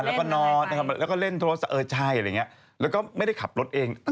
แล้วก็นอนนะครับแล้วก็เล่นโทรศัพท์เออใช่อะไรอย่างนี้แล้วก็ไม่ได้ขับรถเอง